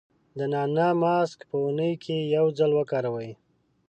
د نعناع ماسک په اونۍ کې یو ځل وکاروئ.